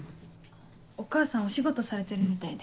お母さんお仕事されてるみたいで。